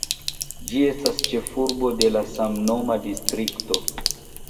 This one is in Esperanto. Ĝi estas ĉefurbo de la samnoma distrikto.